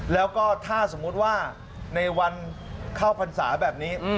แล้วก็ถ้าสมมุติว่าในวันเข้าพรรษาแบบนี้